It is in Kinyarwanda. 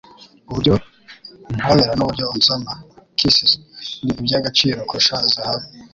Uburyo umpobera n’uburyo unsoma (kisses) ni iby’agaciro kurusha zahabu